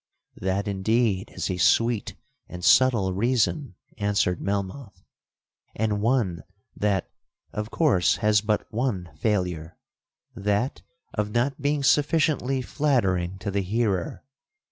'—'That, indeed, is a sweet and subtle reason,' answered Melmoth, 'and one that, of course, has but one failure,—that of not being sufficiently flattering to the hearer.